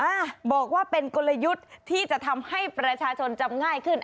บอกว่าเป็นกลยุทธ์ที่จะทำให้ประชาชนจำง่ายขึ้น